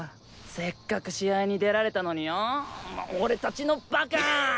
せっかく試合に出られたのによもう俺達のバカー！